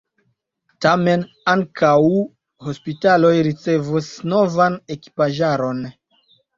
Tamen ankaŭ hospitaloj ricevos novan ekipaĵaron.